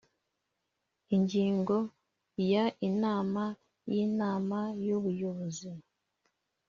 Ingingo ya Inama y inama y ubuyobozi